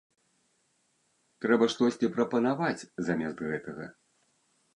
Трэба штосьці прапанаваць замест гэтага.